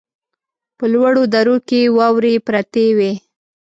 په لوړو درو کې واورې پرتې وې.